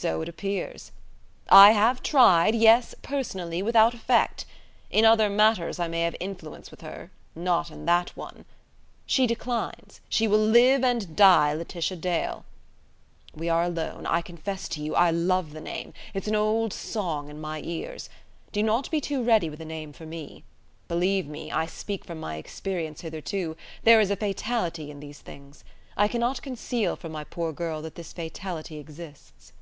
So it appears. I have tried; yes, personally: without effect. In other matters I may have influence with her: not in that one. She declines. She will live and die Laetitia Dale. We are alone: I confess to you, I love the name. It's an old song in my ears. Do not be too ready with a name for me. Believe me I speak from my experience hitherto there is a fatality in these things. I cannot conceal from my poor girl that this fatality exists